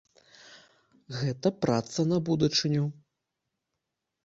Гэта праца на будучыню.